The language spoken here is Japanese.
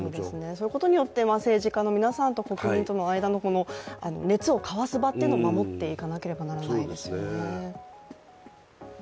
そういうことによって政治家の皆さんと国民との間の、熱を交わす場というものを守っていかなければならないですよね。